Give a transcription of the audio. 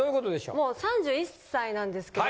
もう３１歳なんですけど。